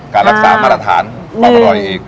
การรักษามาตรฐานความอร่อยอีก